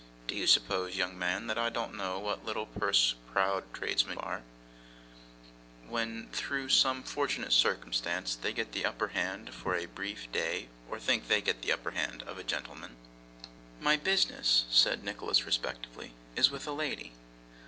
Do you suppose, young man, that I don't know what little purse proud tradesmen are, when, through some fortunate circumstances, they get the upper hand for a brief day or think they get the upper hand of a gentleman?' 'My business,' said Nicholas respectfully, 'is with a lady.